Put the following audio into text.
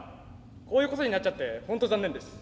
こういうことになっちゃって本当残念です。